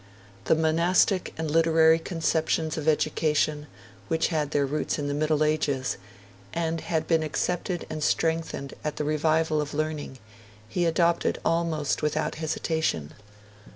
The monastic and literary conceptions of education, which had their roots in the Middle Ages, and had been accepted and strengthened at the revival of Learning, he adopted almost without hesitation.